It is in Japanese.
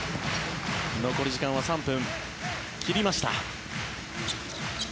残り時間は３分切りました。